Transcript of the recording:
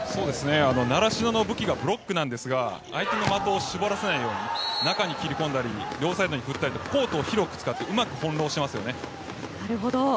習志野の武器がブロックなんですが相手の的を絞らせないように中に切り込んだり両サイドに振ったりコートを広く使ってうまく翻弄していますよね。